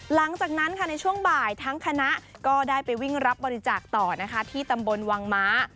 หลังจากนั้นค่ะในช่วงบ่ายทั้งคณะก็ได้ไปวิ่งรับบริจาคต่อนะคะที่ตำบลวังม้า